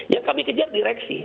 yang kami kejar direksi